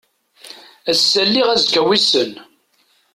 Ass-a lliɣ azekka wissen.